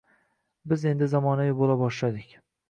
Biz endi zamonaviy bo’la boshladik.